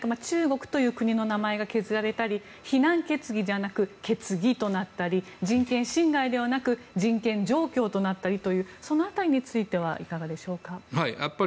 中国という国の名前が削られたり非難決議ではなく決議となったり人権侵害ではなく人権状況となったりというその辺りについてはいかがでしょうか？